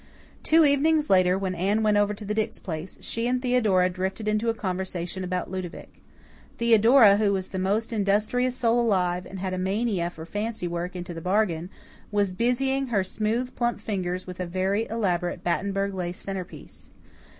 Two evenings later, when Anne went over to the Dix place, she and Theodora drifted into a conversation about Ludovic. Theodora, who was the most industrious soul alive, and had a mania for fancy work into the bargain, was busying her smooth, plump fingers with a very elaborate Battenburg lace centre piece.